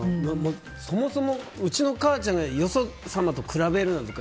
そもそもお母ちゃんがよそと比べるなとか。